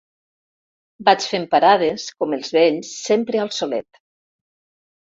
Vaig fent parades, com els vells, sempre al solet.